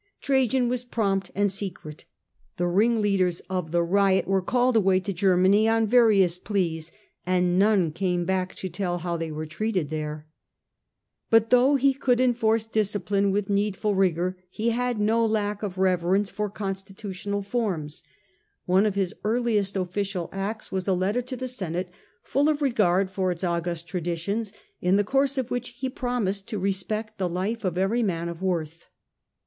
Trajan was prompt and secret. The ringleaders of the riot were called away to Germany on various pleas, and none came back to tell how they were treated there. But though he could enforce discipline with needful rigour, he had no lack of reverence for constitutional but writes forms. One of his earliest official acts was a to the ^ letter to the senate, full of regard for its august senate in /on respectful traditions, in the course of which he promised terms. rcspcct the life of every man of worth.